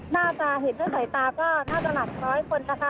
น่าจะเห็นด้วยสายตาก็น่าจะหลักร้อยคนนะคะ